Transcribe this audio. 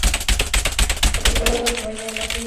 Recuérdame que te llame mañana